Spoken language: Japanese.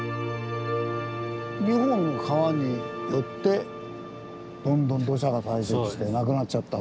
２本の川によってどんどん土砂が堆積してなくなっちゃった。